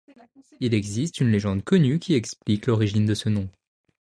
Il existe une légende connue qui explique l'origine de ce nom.